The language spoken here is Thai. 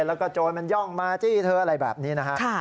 แล้วก็โจรมันย่องมาจี้เธออะไรแบบนี้นะฮะ